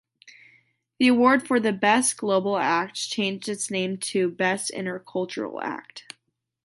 The Award for "The Best Global Act" changed its name to "Best Intercultural Act".